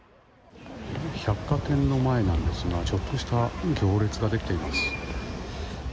百貨店の前なんですがちょっとした行列ができています。